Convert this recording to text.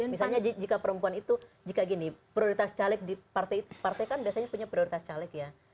misalnya jika perempuan itu jika gini prioritas caleg di partai kan biasanya punya prioritas caleg ya